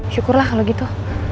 syukurlah kalo gitu